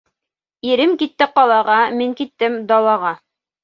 Ирем китте ҡалаға, мин киттем далаға.